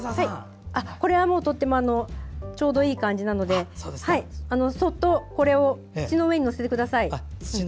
ちょうどいい感じなのでそっとこれを土の上に載せてください。